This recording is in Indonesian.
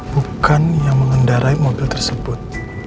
bukan yang mengendarai mobil tersebut